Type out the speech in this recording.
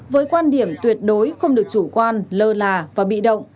với quan điểm tuyệt đối không được chủ quan lơ là và bị động